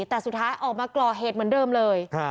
แต่สุดท้ายออกมาก่อเหตุเหมือนเดิมเลย